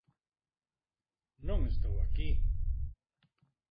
Non estou aquí.